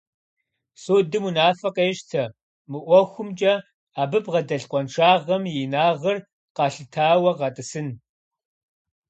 Судым унафэ къещтэ: мы ӀуэхумкӀэ абы бгъэдэлъ къуаншагъэм и инагъыр къэлъытауэ гъэтӀысын!